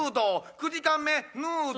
９時間目ヌード。